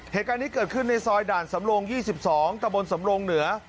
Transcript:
เหตุการณ์นี้เกิดขึ้นในซอยด่านสำรง๒๒ตะบนสำรงเหนือ